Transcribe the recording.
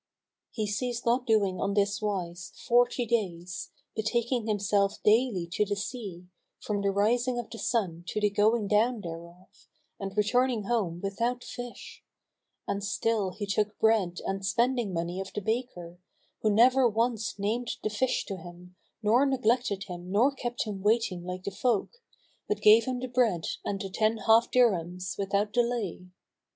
He ceased not doing on this wise forty days, betaking himself daily to the sea, from the rising of the sun to the going down thereof, and returning home without fish; and still he took bread and spending money of the baker, who never once named the fish to him nor neglected him nor kept him waiting like the folk,[FN#239] but gave him the bread and the ten half dirhams without delay.